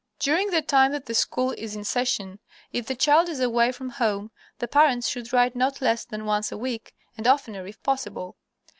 During the time that the school is in session, if the child is away from home, the parents should write not less than once a week, and oftener if possible.